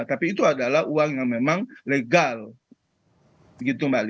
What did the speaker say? tapi itu adalah uang yang memang legal